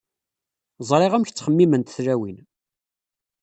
Ẓriɣ amek ttxemmiment tlawin.